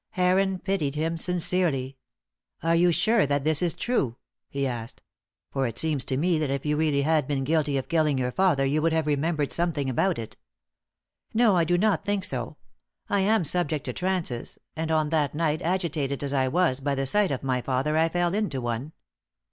Heron pitied him sincerely. "Are you sure that this is true?" he asked. "For it seems to me that if you had really been guilty of killing your father, you would have remembered something about it." "No, I do not think so; I am subject to trances; and on that night, agitated as I was by the sight of my father, I fell into one.